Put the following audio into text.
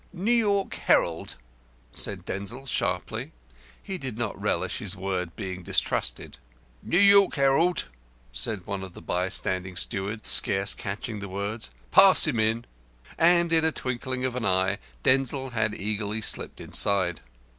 "New York Herald" said Denzil, sharply. He did not relish his word being distrusted. "New York Herald" said one of the bystanding stewards, scarce catching the sounds. "Pass him in." And in the twinkling of an eye Denzil had eagerly slipped inside.